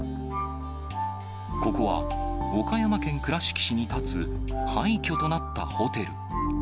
ここは、岡山県倉敷市に建つ、廃虚となったホテル。